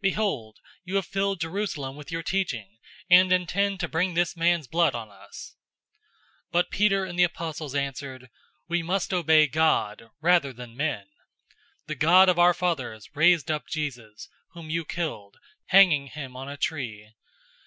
Behold, you have filled Jerusalem with your teaching, and intend to bring this man's blood on us." 005:029 But Peter and the apostles answered, "We must obey God rather than men. 005:030 The God of our fathers raised up Jesus, whom you killed, hanging him on a tree.